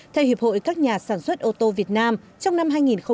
theo hiệp hội các nhà sản xuất ô tô việt nam trong năm hai nghìn bảy mươi sáu